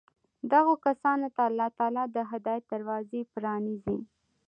دغو كسانو ته الله تعالى د هدايت دروازې پرانېزي